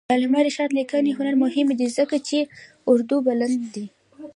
د علامه رشاد لیکنی هنر مهم دی ځکه چې اردو بلد دی.